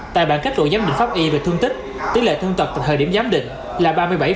tại bản kết luận giám định pháp y về thương tích tỷ lệ thương tật tại thời điểm giám định là ba mươi bảy